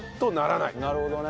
なるほどね。